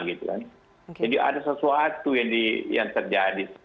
jadi ada sesuatu yang terjadi